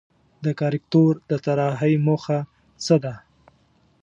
د کاریکاتور د طراحۍ موخه څه ده؟